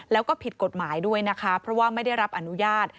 แล้วก็ผิดกฎหมายด้วยนะคะเพราะว่าไม่ได้รับอนุญาต